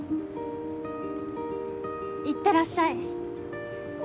いってらっしゃい。